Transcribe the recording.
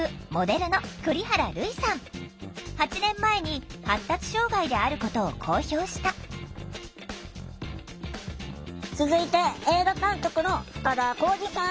８年前に発達障害であることを公表した続いて映画監督の深田晃司さん。